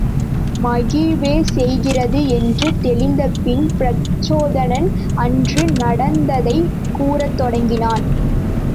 மகிழவே செய்கிறது என்று தெளிந்தபின் பிரச்சோதனன் அன்று நடந்ததைக் கூறத் தொடங்கினான்.